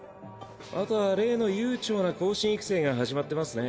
あとは例の悠長な後進育成が始まってますね。